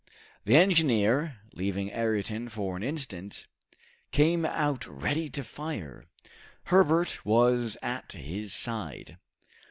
The engineer, leaving Ayrton for an instant, came out ready to fire. Herbert was at his side.